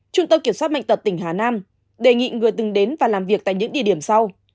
trung tâm kiểm soát bệnh tật tỉnh hà nam đề nghị người từng đến và làm việc tại những địa điểm sau